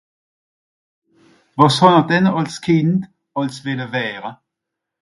wàs hànn'r denn àls Kìnd àls welle wäre